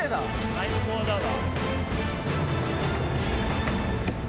最高だわ。